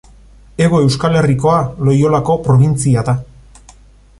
Hego Euskal Herrikoa Loiolako probintzia da.